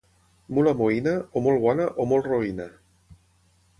Mula moïna, o molt bona, o molt roïna.